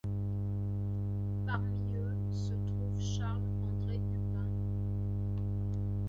Parmi eux, se trouve Charles-André Dupin.